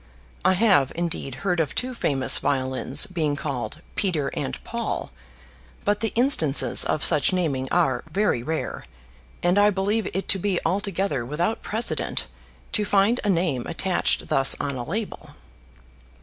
I have, indeed, heard of two famous violins being called 'Peter' and 'Paul,' but the instances of such naming are very rare; and I believe it to be altogether without precedent to find a name attached thus on a label.